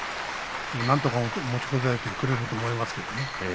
なんとか持ちこたえてくれると思うんですけれどね。